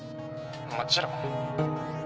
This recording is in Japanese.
☎もちろん